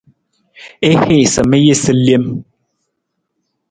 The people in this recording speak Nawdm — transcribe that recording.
I hiisa mi jasa lem.